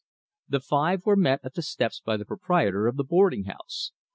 The five were met at the steps by the proprietor of the boarding house.